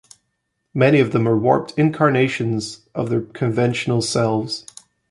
Many of them are warped incarnations of their conventional selves.